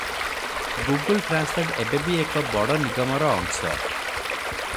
Google translate ଏବେ ବି ଏକ ବଡ଼ ନିଗମର ଅଂଶ ।